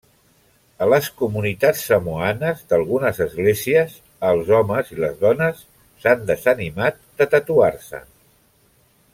A les comunitats samoanes d'algunes esglésies, els homes i les dones s'han desanimat de tatuar-se.